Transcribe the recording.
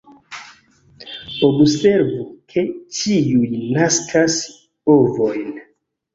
Observu ke ĉiuj naskas ovojn.